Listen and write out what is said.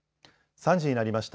３時になりました。